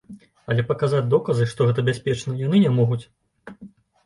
Але паказаць доказы, што гэта бяспечна, яны не могуць.